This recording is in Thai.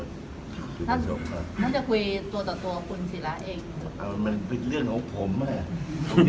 นั้นแกคุยตัวต่อตัวหนึ่งสี่ละเองมันเรื่องมากฮึ